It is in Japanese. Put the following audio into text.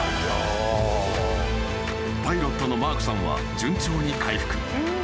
［パイロットのマークさんは順調に回復］